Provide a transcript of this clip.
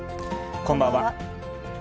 こんばんは。